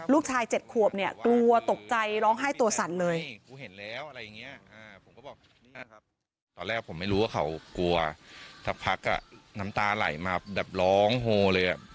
ลูกชายเจ็ดขวบกลัวตกใจร้องไห้ตัวสันเลย